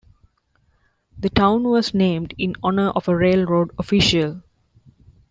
The town was named in honor of a railroad official.